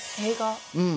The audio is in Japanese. うん。